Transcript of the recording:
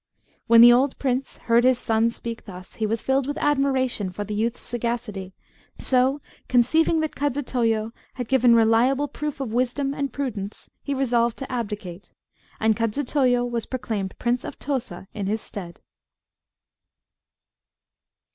When the old prince heard his son speak thus, he was filled with admiration for the youth's sagacity; so, conceiving that Kadzutoyo had given reliable proof of wisdom and prudence, he resolved to abdicate; and Kadzutoyo was proclaimed Prince of Tosa in his stead.